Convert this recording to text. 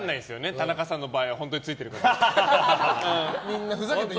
田中さんの場合は本当についてるかどうか。